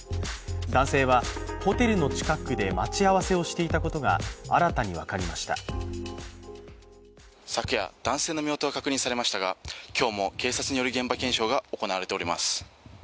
男性はホテルの近くで待ち合わせをしていたことが昨夜、男性の身元が確認されましたが今日も警察による現場検証が行われています。